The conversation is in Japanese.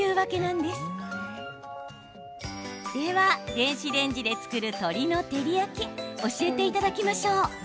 では、電子レンジで作る鶏の照り焼き教えていただきましょう。